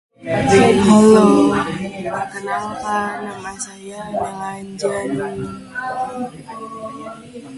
After each episode, a new digital single would be released on digital services.